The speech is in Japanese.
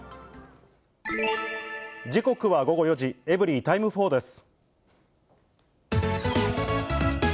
時刻は午後４時、エブリィタイム４です。